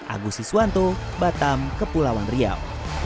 agusi swanto batam kepulauan riau